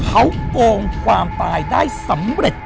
เขาโกงความตายได้สำเร็จ